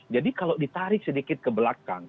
jadi kalau ditarik sedikit ke belakang